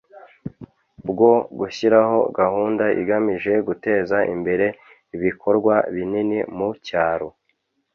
bwo gushyiraho gahunda igamije guteza imbere ibikorwa binini mu cyaro